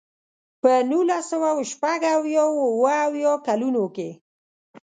په نولس سوه شپږ اویا او اوه اویا کلونو کې.